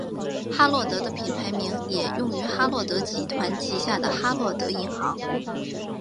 哈洛德的品牌名也用于哈洛德集团旗下的哈洛德银行。